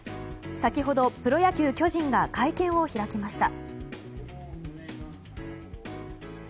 先ほどプロ野球巨人が会見を開きました。